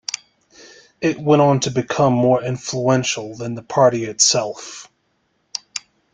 It went on to become more influential than the party itself.